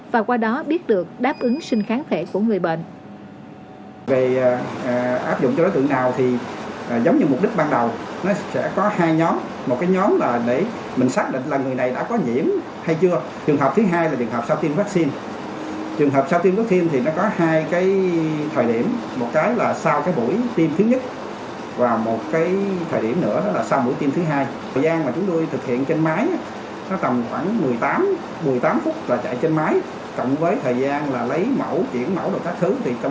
và qua đó biết được đáp ứng sinh kháng thể của người bệnh